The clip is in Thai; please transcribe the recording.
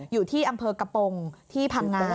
อยู่ที่อำเภอกระโปรงที่พังงา